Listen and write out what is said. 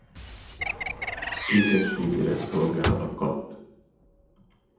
Ékességére szolgál a kath.